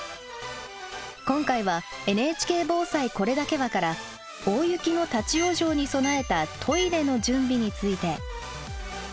今回は「＃ＮＨＫ防災これだけは」から大雪の立往生に備えたトイレの準備について。